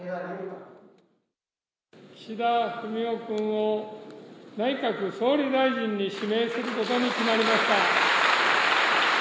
岸田文雄君を内閣総理大臣に指名することに決まりました。